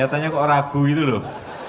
lihatannya kok ragu itu loh